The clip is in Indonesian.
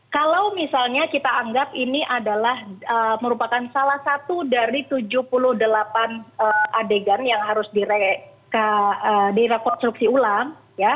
kalau misalnya kita anggap ini adalah merupakan salah satu dari tujuh puluh delapan adegan yang harus direkonstruksi ulang